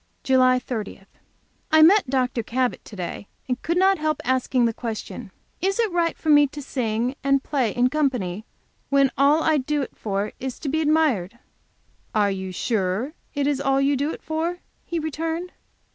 JULY 30. I met Dr. Cabot to day, and could not, help asking the question: "Is it right for me to sing and play in company when all I do it for is to be admired?" "Are you sure it is all you do it for?" he returned.